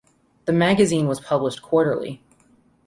The magazine was published quarterly.